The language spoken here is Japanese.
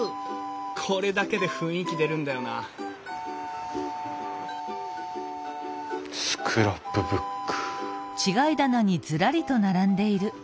これだけで雰囲気出るんだよなスクラップブック。